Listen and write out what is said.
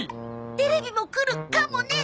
テレビも来るカモね。